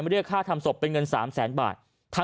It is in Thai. เรียกค่าทำศพเป็นเงิน๓แสนบาท